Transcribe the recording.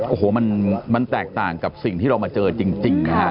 โอ้โหมันแตกต่างกับสิ่งที่เรามาเจอจริงนะฮะ